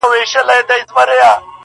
کله رېږدم له یخنیه کله سوځم له ګرمیه!